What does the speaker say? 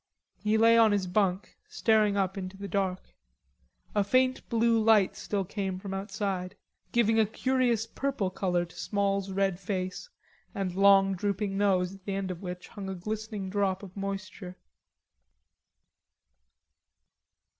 He lay on his bunk staring up into the dark. A faint blue light still came from outside, giving a curious purple color to Small's red face and long drooping nose at the end of which hung a glistening drop of moisture.